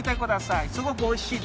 すごくおいしいです。